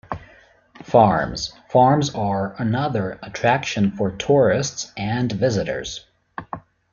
Farms : Farms are another attraction for tourists and visitors.